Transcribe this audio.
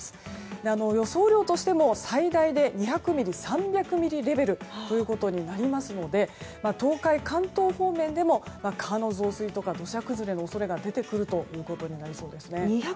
雨量としても最大で２００ミリ３００ミリレベルとなりますので東海・関東方面でも川の増水とか土砂崩れの恐れが出てくるということになりそうですね。